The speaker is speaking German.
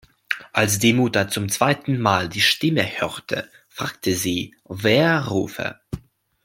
Als die Mutter zum zweiten Mal die Stimme hörte, fragte sie, wer rufe.